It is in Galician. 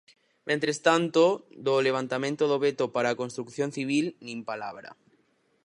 Mentres tanto, do levantamento do veto para a construción civil, nin palabra.